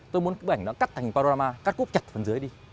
tôi muốn cái bức ảnh đó cắt thành programa cắt cúp chặt phần dưới đi